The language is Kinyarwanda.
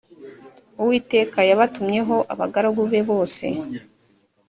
uwiteka yabatumyeho abagaragu be bose